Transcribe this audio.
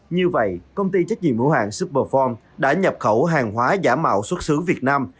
như vậy công ty trách nhiệm hữu hạng superform đã nhập khẩu hàng hóa giả mạo xuất xứ việt nam